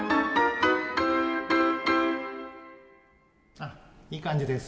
あいい感じです。